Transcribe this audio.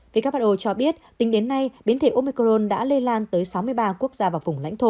who cho biết tính đến nay biến thể omicron đã lây lan tới sáu mươi ba quốc gia và vùng lãnh thổ